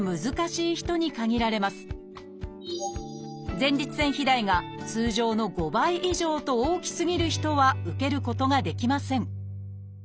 前立腺肥大が通常の５倍以上と大きすぎる人は受けることができません